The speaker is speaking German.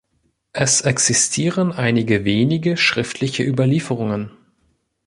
Es existieren einige wenige schriftliche Überlieferungen.